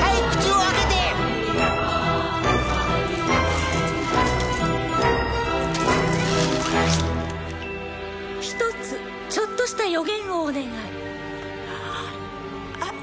はい口を開けて一つちょっとした予言をお願いあっええ